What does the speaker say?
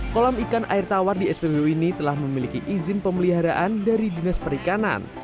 kolam ikan air tawar di spbu ini telah memiliki izin pemeliharaan dari dinas perikanan